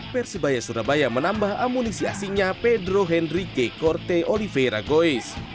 persebaya surabaya menambah amunisi asingnya pedro henrique corte oliveira goiz